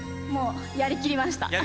もう、やりきりました。